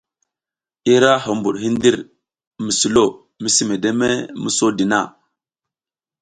Ira huɓuɗ hindir mi sulo misi medeme mi sodi na.